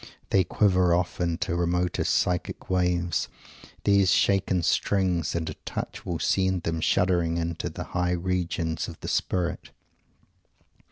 They quiver off into remotest psychic waves, these shaken strings; and a touch will send them shuddering into the high regions of the Spirit.